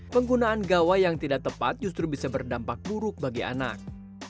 penggunaan gawai yang tidak tepat justru bisa berdampak buruk bagi anak